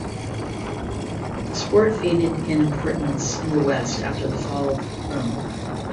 The sport faded in importance in the West after the fall of Rome.